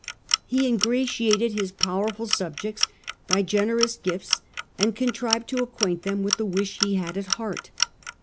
He ingratiated his powerful sub jects by generous gifts and contrived to acquaint them with the wish that he had at heart.